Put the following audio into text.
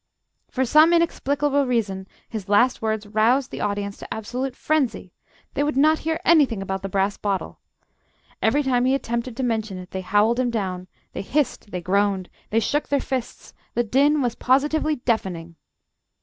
For some inexplicable reason his last words roused the audience to absolute frenzy; they would not hear anything about the brass bottle. Every time he attempted to mention it they howled him down, they hissed, they groaned, they shook their fists; the din was positively deafening.